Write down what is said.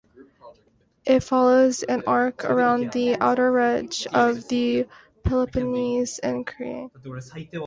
It follows an arc around the outer edge of the Peloponnese and Crete.